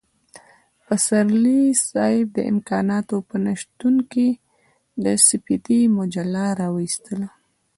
پسرلی صاحب د امکاناتو په نشتون کې د سپېدې مجله را وايستله.